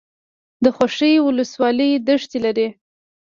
د خوشي ولسوالۍ دښتې لري